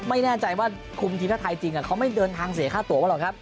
ไม่แน่ใจว่าคุมทีมชาติไทยจริงเขาไม่เดินทางเสียค่าตัวหรอกครับ